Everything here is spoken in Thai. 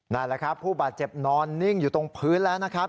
นั่นแหละครับผู้บาดเจ็บนอนนิ่งอยู่ตรงพื้นแล้วนะครับ